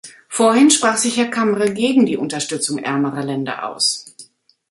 Vorhin sprach sich Herr Camre gegen die Unterstützung ärmerer Länder aus.